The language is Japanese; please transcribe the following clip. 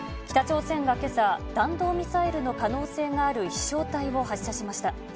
北朝鮮がけさ、弾道ミサイルの可能性がある飛しょう体を発射しました。